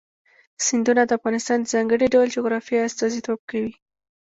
سیندونه د افغانستان د ځانګړي ډول جغرافیه استازیتوب کوي.